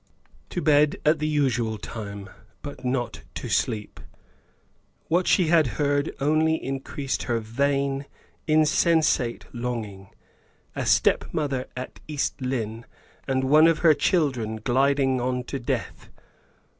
To bed at the usual time, but not to sleep. What she had heard only increased her vain, insensate longing. A stepmother at East Lynne, and one of her children gliding on to death!